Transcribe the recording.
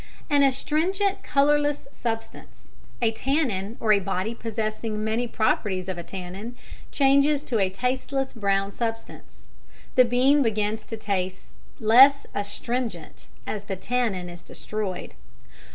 _ An astringent colourless substance (a tannin or a body possessing many properties of a tannin) changes to a tasteless brown substance. The bean begins to taste less astringent as the "tannin" is destroyed.